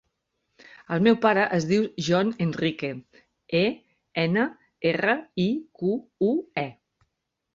El meu pare es diu John Enrique: e, ena, erra, i, cu, u, e.